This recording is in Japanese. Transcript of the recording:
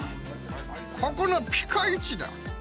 ここのピカイチだ！